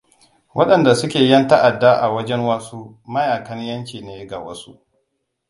Waɗanda suke yan ta'adda a wajen wasu, mayaƙan ʻyanci ne ga wasu.